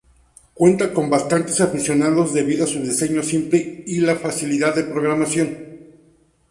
Cuenta con bastantes aficionados debido a su diseño simple y la facilidad de programación.